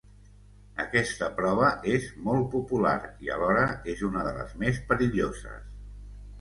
Aquesta prova és molt popular i alhora és una de les més perilloses.